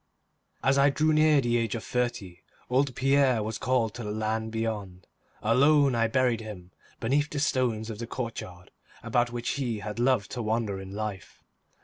As I drew near the age of thirty, old Pierre was called to the land beyond. Alone I buried him beneath the stones of the courtyard about which he had loved to wander in life.